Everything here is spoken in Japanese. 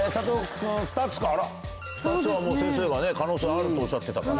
２つはもう先生が可能性あるとおっしゃってたから。